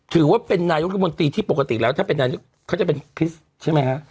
ถือว่าเป็นนายกรัฐมนตรีที่ปกติแล้วถ้าเป็นนายกเขาจะเป็นคริสต์ใช่ไหมฮะ